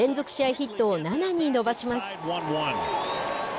ヒットを７に伸ばします。